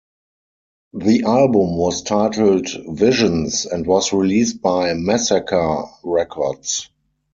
The album was titled "Visions" and was released by Massacre Records.